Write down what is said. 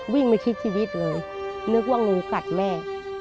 ไม่คิดชีวิตเลยนึกว่างูกัดแม่